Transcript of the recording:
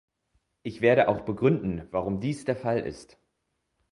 Ich werde auch begründen, warum dies der Fall ist.